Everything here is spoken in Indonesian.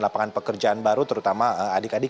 lapangan pekerjaan baru terutama adik adik